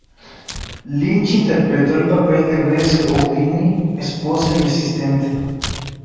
Lynch interpretó el papel de Bess Houdini, esposa y asistente.